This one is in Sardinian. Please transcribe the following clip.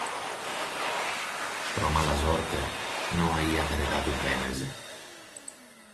Pro mala sorte no aiat eredadu benes.